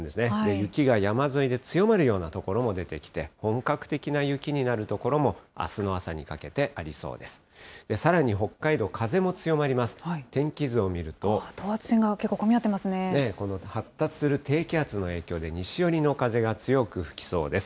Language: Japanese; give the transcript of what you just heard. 雪が山沿いで強まるような所も出てきて、本格的な雪になる所も、あすの朝にかけて、ありそうです。